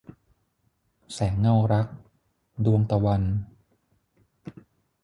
แสงเงารัก - ดวงตะวัน